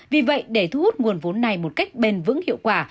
vì vậy để thu hút nguồn vốn này một cách bền vững hiệu quả